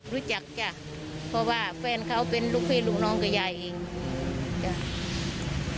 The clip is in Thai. รู้จักจ้ะเพราะว่าแฟนเขาเป็นลูกพี่ลูกน้องกับยายเองจ้ะ